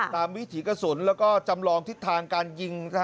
วิถีกระสุนแล้วก็จำลองทิศทางการยิง